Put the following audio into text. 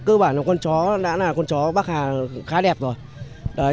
cơ bản là con chó bắc hà khá đẹp rồi